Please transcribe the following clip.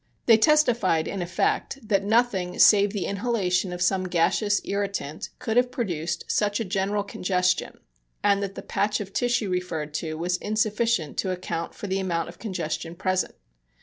They testified, in effect, that nothing save the inhalation of some gaseous irritant could have produced such a general congestion, and that the patch of tissue referred to was insufficient to account for the amount of congestion present.